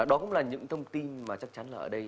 đó cũng là những thông tin mà chắc chắn là ở đây